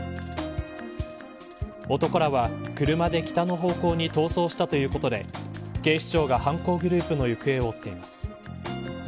男らは、車で北の方向に逃走したということで警視庁が犯行グループの行方を追っています。